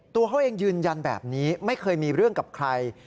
ตัวเขาเองยืนยันแบบนี้ไม่เคยมีเรื่องกับใคร